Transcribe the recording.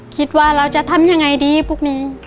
คิดว่าเราจะทำยังไงดีพวกนี้